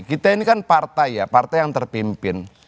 kita ini kan partai ya partai yang terpimpin